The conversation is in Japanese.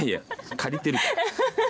借りているから。